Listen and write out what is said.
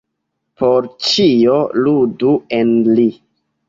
Por ĉio ludu en li.